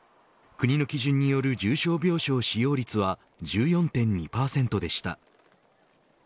国の基準による重症病床使用率は１４．２％でした。